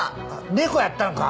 猫やったんか！